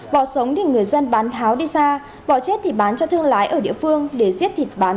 bò sống thì người dân bán tháo đi xa bỏ chết thì bán cho thương lái ở địa phương để giết thịt bán